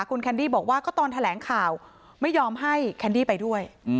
คุณแคนดี้บอกว่าก็ตอนแถลงข่าวไม่ยอมให้แคนดี้ไปด้วย